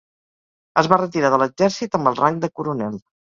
Es va retirar de l'Exèrcit amb el rang de coronel.